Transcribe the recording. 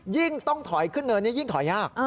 ยิ่งต้องถอยขึ้นเนินนี้ยิ่งถอยยาก